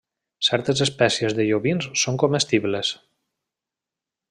Certes espècies de llobins són comestibles.